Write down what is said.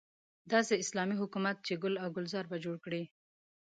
داسې اسلامي حکومت چې ګل او ګلزار به جوړ کړي.